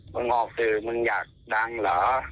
ออกสื่อมึงอยากดังเหรอ